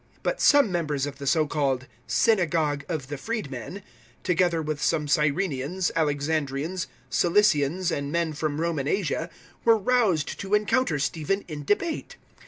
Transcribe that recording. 006:009 But some members of the so called `Synagogue of the Freed men,' together with some Cyrenaeans, Alexandrians, Cilicians and men from Roman Asia, were roused to encounter Stephen in debate.